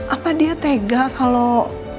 apa dia tega kalau